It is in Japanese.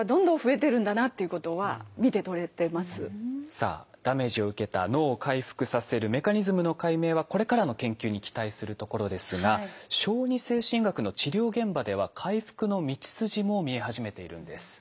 さあダメージを受けた脳を回復させるメカニズムの解明はこれからの研究に期待するところですが小児精神学の治療現場では回復の道筋も見え始めているんです。